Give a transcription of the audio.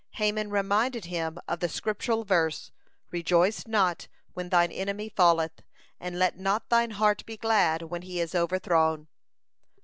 Haman reminded him of the Scriptural verse: "Rejoice not when thine enemy falleth, and let not thine heart be glad when he is overthrown."